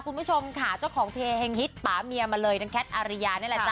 คุณผู้ชมค่ะเจ้าของเพลงฮิตป่าเมียมาเลยนางแคทอาริยานี่แหละจ้